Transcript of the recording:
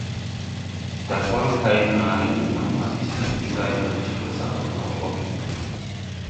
Dakole kay naaré de wur ma bi sir Gunday wo de cõõre sac doo bogge.